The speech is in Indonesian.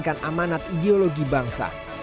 jalankan amanat ideologi bangsa